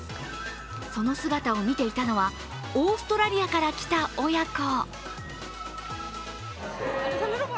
その姿を見ていたのはオーストラリアから来た親子。